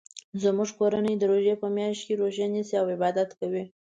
زموږ کورنۍ د روژی په میاشت کې روژه نیسي او عبادت کوي